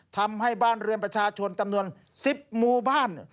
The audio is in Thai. ทำให้บ้านเรือนประชาชนจำนวน๑๐หมู่บ้าน